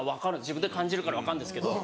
自分で感じるから分かるんですけど。